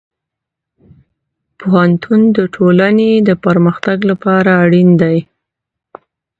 پوهنتون د ټولنې د پرمختګ لپاره اړین دی.